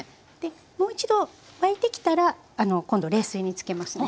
もう一度沸いてきたら今度冷水に漬けますね。